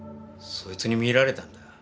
そいつに見られたんだ。